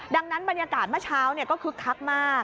ดังนั้นบรรยากาศเมื่อเช้าก็คึกคักมาก